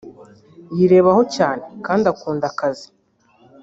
yirebaho cyane kandi akunda akazi